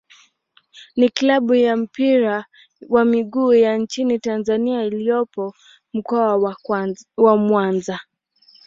ni klabu ya mpira wa miguu ya nchini Tanzania iliyopo Mkoa wa Mwanza.